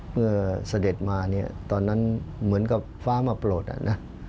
เมื่อเสด็จมาเนี่ยตอนนั้นเหมือนเป็นฟ้ามาโปรดนะ